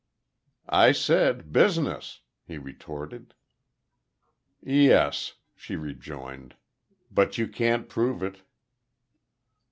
"I said, 'business,'" he retorted. "Yes," she rejoined; "but you can't prove it."